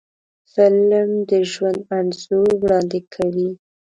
فلم د ژوند انځور وړاندې کوي